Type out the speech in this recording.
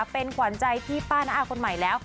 เป็นขวัญใจพี่ป้าน้าอาคนใหม่แล้ว